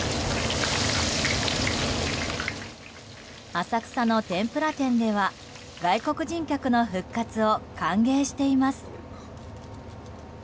浅草の天ぷら店では外国人客の復活を歓迎しています。